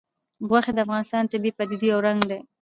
غوښې د افغانستان د طبیعي پدیدو یو رنګ دی.